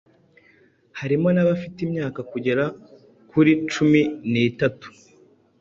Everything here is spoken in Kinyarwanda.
harimo n'abafite imyaka kugera kuri cumi nitatu